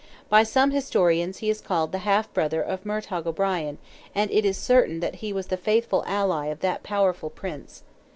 By some historians he is called the half brother of Murtogh O'Brien, and it is certain that he was the faithful ally of that powerful prince.